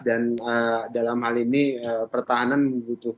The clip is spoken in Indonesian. dan dalam hal ini pertahanan membutuhkan kontriensi